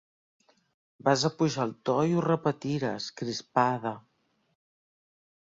Vas apujar el to i ho repetires, crispada.